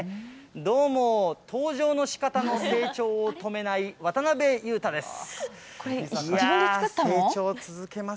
どうも、登場のしかたの成長を止めない渡辺裕太です。